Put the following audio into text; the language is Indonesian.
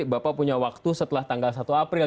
bapak punya waktu setelah tanggal satu april